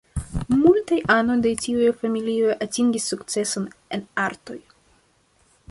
Multaj anoj de tiuj familioj atingis sukceson en artoj.